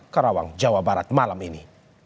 karawang jawa barat malam ini